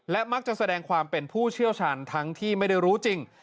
และมักจะแสดงความเป็นผู้เชี่ยวชาญทั้งที่ไม่ได้รู้จริง